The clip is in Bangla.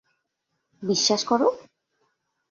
বিশ্বাস করো।